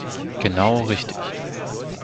Genau richtig.